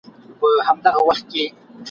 چي پوستين له منځه ووتى جنگ سوړ سو !.